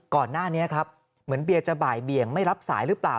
ก่อนหน้านี้ครับเหมือนเบียร์จะบ่ายเบี่ยงไม่รับสายหรือเปล่า